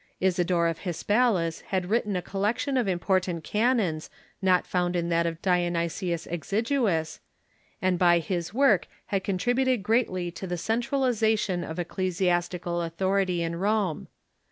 Isidore of Hispalis had written a col lection of important canons not found in that of Dionysius Exiguus, and by his work had contributed greatly to the cen tralization of ecclesiastical authority in Rome.